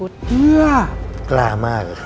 ดิงกระพวน